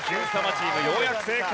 チームようやく正解。